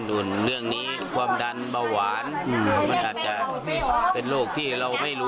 หรือว่ามันจะน๊อคก็ได้